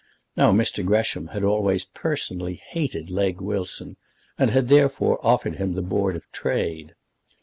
Now Mr. Gresham had always personally hated Legge Wilson, and had, therefore, offered him the Board of Trade.